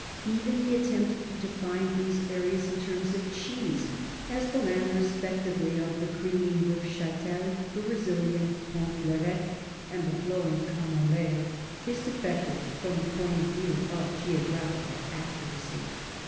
Even the attempt to define these areas in terms of cheese as the land respectively of the creamy Neufch^tel, the resilient Pont l'Evque, and the flowing Camembert is defective from the point of view of geographical accuracy